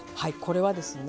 これはですね